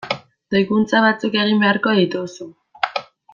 Doikuntza batzuk egin beharko dituzu.